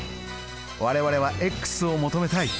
我々はを求めたい。